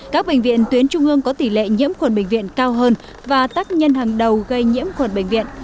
các bệnh viện tuyến trung ương có tỷ lệ nhiễm khuẩn bệnh viện cao hơn và tắc nhân hàng đầu gây nhiễm khuẩn bệnh viện